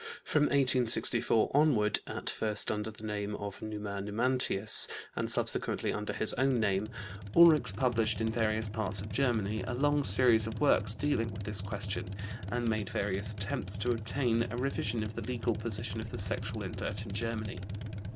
From 1864 onward, at first under the name of "Numa Numantius" and subsequently under his own name, Ulrichs published, in various parts of Germany, a long series of works dealing with this question, and made various attempts to obtain a revision of the legal position of the sexual invert in Germany.